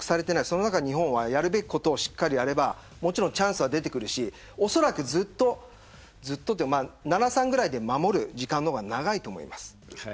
その中で、日本はやるべきことをしっかりやればチャンスは出てくるしおそらく７対３ぐらいで守る時間の方が長いと思います。